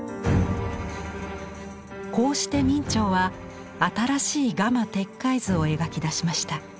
こうして明兆は新しい「蝦蟇鉄拐図」を描き出しました。